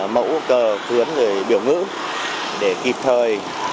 mẫu cờ thướng biểu ngữ để kịp thời